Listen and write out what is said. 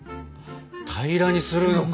平らにするのか！